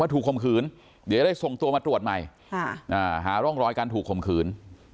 ว่าถูกคมขืนเดี๋ยวจะได้ส่งตัวมาตรวจใหม่ค่ะอ่าหาร่องรอยการถูกคมขืน